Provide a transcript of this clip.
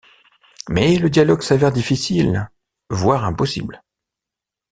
Mais le dialogue s'avère difficile, voire impossible.